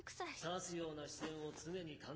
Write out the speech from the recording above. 刺すような視線を常に感じている。